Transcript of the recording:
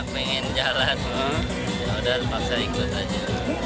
pengen jalan yaudah paksa ikut saja